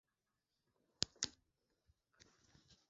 waandishi wa habari mara nyingi wanachukua njia hatari za kujizuia